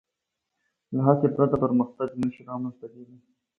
له هڅې پرته پرمختګ نهشي رامنځ ته کېدی.